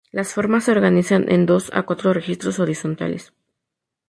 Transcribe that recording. Las formas se organizan en dos a cuatro registros horizontales.